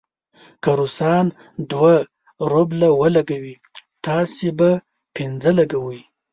که روسان دوه روبله ولګوي، تاسې به پنځه ولګوئ.